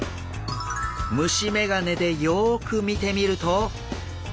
虫メガネでよく見てみると。